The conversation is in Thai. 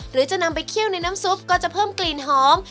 หรือจะนำไปเคี่ยวในน้ำซุปก็จะเพิ่มกลิ่นหอม